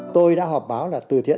tôi đã họp báo là từ thiện một